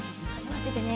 まっててね。